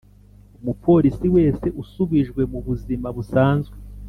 Umupolisi wese usubijwe mu buzima busanzwe